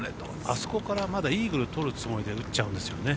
あそこからまだイーグル取るつもりで打っちゃうんですよね。